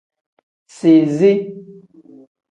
Sizi.